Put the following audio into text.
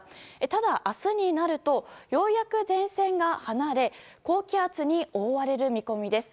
ただ、明日になるとようやく前線が離れ高気圧に覆われる見込みです。